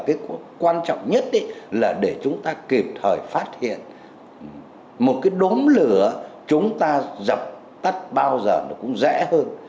cái quan trọng nhất là để chúng ta kịp thời phát hiện một cái đốm lửa chúng ta dập tắt bao giờ nó cũng dễ hơn